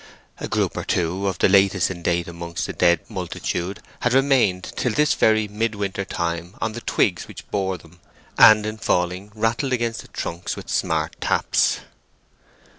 A group or two of the latest in date amongst the dead multitude had remained till this very mid winter time on the twigs which bore them and in falling rattled against the trunks with smart taps.